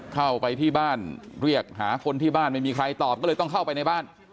เข้าไปที่บ้านเรียกหาคนที่บ้านไม่มีใครตอบก็เลยต้องเข้าไปในบ้าน